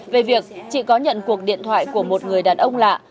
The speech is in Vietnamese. về việc chị có nhận cuộc điện thoại của một người đàn ông lạ